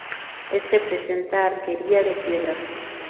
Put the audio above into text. Este presenta arquería de piedra.